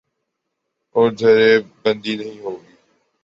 اور دھڑے بندی نہیں ہو گی۔